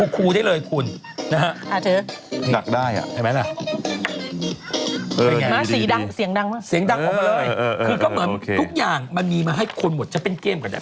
คือก็เหมือนทุกอย่างมาให้คนให้มีอยู่จะเป็นเกมก็ได้